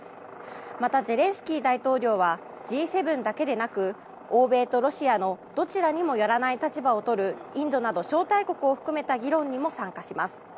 また、ゼレンスキー大統領はＧ７だけでなく欧米とロシアのどちらにも寄らない立場を取るインドなど招待国を含めた議論にも参加します。